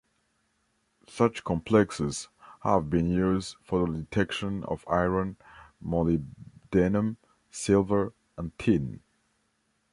Such complexes have been used for the detection of iron, molybdenum, silver, and tin.